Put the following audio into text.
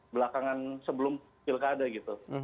belakangan sebelum pilkada gitu